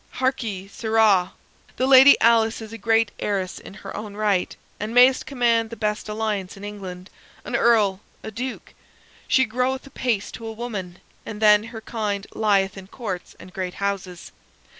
Harkee, sirrah! the Lady Alice is a great heiress in her own right, and mayst command the best alliance in England an Earl a Duke. She groweth apace to a woman, and then her kind lieth in Courts and great houses.